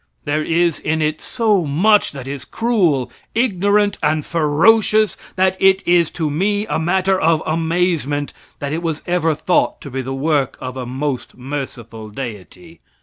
There is in it so much that is cruel, ignorant and ferocious that it is to me a matter of amazement that it was ever thought to be the work of a most merciful deity.